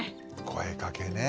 声かけね。